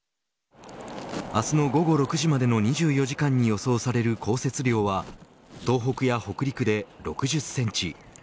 明日の午後６時までの２４時間に予想される降雪量は東北や北陸で６０センチ。